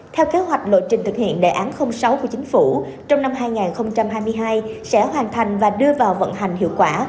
theo kế hoạch lộ trình thực hiện đề án sáu của chính phủ trong năm hai nghìn hai mươi hai sẽ hoàn thành và đưa vào vận hành hiệu quả